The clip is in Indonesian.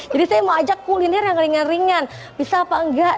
jadi saya mau ajak kuliner yang ringan ringan bisa apa enggak